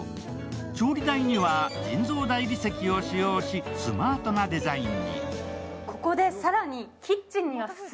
調理台には人造大理石を使用しスマートなデザインに。